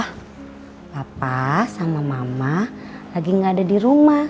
ah papa sama mama lagi gak ada di rumah